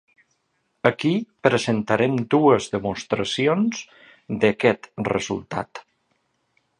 Aquí presentarem dues demostracions d'aquest resultat.